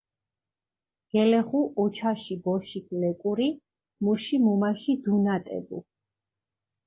გელეღუ უჩაში ბოშიქ ლეკური მუში მუმაში დუნატებუ.